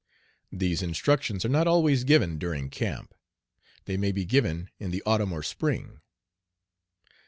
These instructions are not always given during camp. They may be given in the autumn or spring.